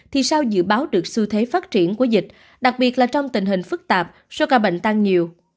thì sao dự báo được xu thế phát triển của dịch đặc biệt là trong tình hình phức tạp số ca bệnh tăng nhiều